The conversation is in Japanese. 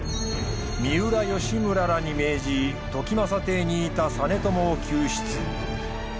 三浦義村らに命じ時政邸にいた実朝を救出。